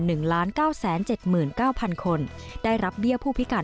หนึ่งล้านเก้าแสนเจ็ดหมื่นเก้าพันคนได้รับเบี้ยผู้พิการ